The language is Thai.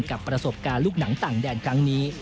กับประสบการณ์ลูกหนังต่างแดนครั้งนี้